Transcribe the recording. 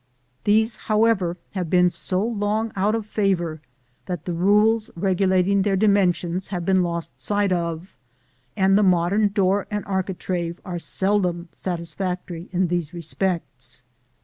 These, however, have been so long out of favor that the rules regulating their dimensions have been lost sight of, and the modern door and architrave are seldom satisfactory in these respects.